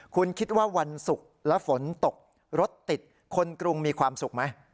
คุณคิดว่าวันศุกร์แล้วฝนตกรถติดคนกรุงมีความสุขไหม